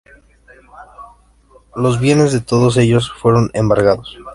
Los bienes de todos ellos fueron embargados.